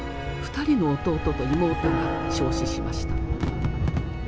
２人の弟と妹が焼死しました。